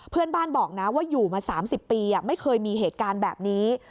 เพื่อนบ้านบอกนะว่าอยู่มา๓๐ปีไม่เคยมีเหตุการณ์แบบนี้